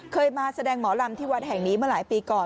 เคยมาแสดงหมอลำที่วัดแห่งนี้เมื่อหลายปีก่อน